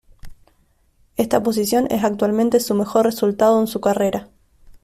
Esta posición es actualmente su mejor resultado en su carrera.